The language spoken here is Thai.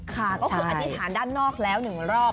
ค่ะก็คืออธิษฐานด้านนอกแล้ว๑รอบ